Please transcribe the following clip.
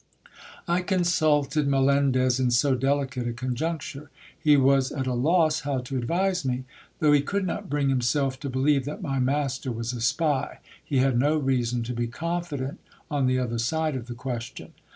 I consulted Melendez in so delicate a conjuncture. He was at a loss how to advise me. Though he could not bring himself to believe that my master was a spy, he had no reason to be confident on the other side of the question.